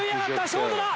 ショートだ！